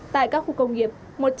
tại các khu công nghiệp